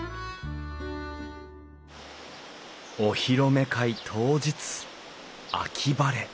お披露目会当日秋晴れ。